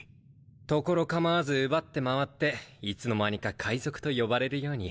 所構わず奪って回っていつの間にか「海賊」と呼ばれるように。